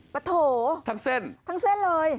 ปะโถทั้งเส้นทั้งเส้นเลย